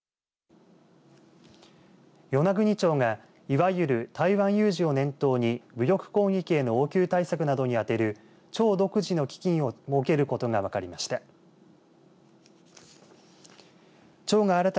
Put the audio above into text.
与那国町がいわゆる台湾有事を念頭に武力攻撃の応急対策などに充てる町独自の基金を設けることが分かりました。